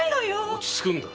落ち着くんだ。